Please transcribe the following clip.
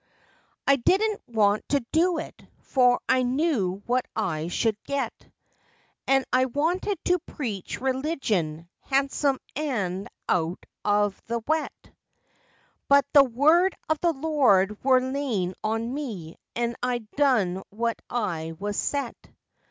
I didn't want to do it, for I knew what I should get, An' I wanted to preach Religion, handsome an' out of the wet, But the Word of the Lord were lain on me, an' I done what I was set.